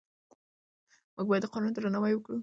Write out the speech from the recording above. موږ باید د قانون درناوی وکړو او سرغړونه ونه کړو